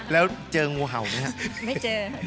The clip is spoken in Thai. แล้วเจองูเห่าไหมครับ